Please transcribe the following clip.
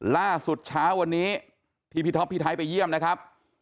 ล่าสุดเช้าวันนี้ที่พี่ท็อปพี่ไทยไปเยี่ยมนะครับ